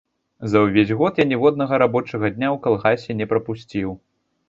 За ўвесь год я ніводнага рабочага дня ў калгасе не прапусціў.